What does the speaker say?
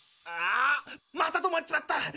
あまた止まっちまった！